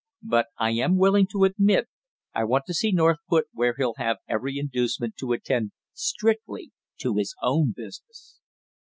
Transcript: "But I am willing to admit I want to see North put where he'll have every inducement to attend strictly to his own business!"